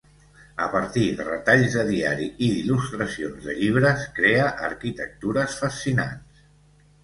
A partir de retalls de diari i d’il·lustracions de llibres, crea arquitectures fascinants.